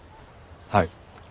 はい。